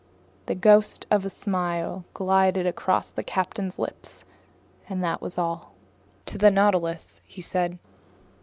The ghost of a smile glided across the captain's lips, and that was all. "To the Nautilus," he said.